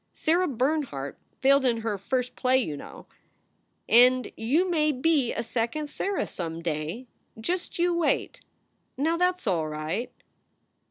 Sarah Bernhardt failed in her first play, you know, and you may be a second Sarah some day. Just you wait. Now that s all right."